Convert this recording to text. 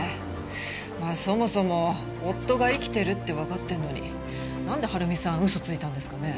まあそもそも夫が生きてるってわかってるのになんで春美さん嘘ついたんですかね？